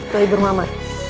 tuh hidur mama